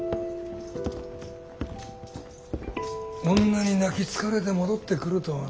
女に泣きつかれて戻ってくるとはな。